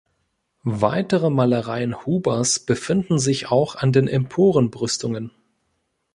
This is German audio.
Weitere Malereien Hubers befinden sich auch an den Emporenbrüstungen.